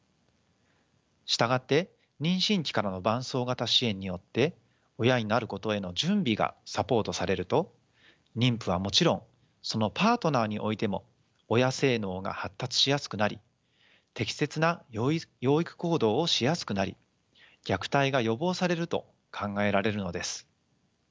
従って妊娠期からの伴走型支援によって親になることへの準備がサポートされると妊婦はもちろんそのパートナーにおいても親性脳が発達しやすくなり適切な養育行動をしやすくなり虐待が予防されると考えられるのです。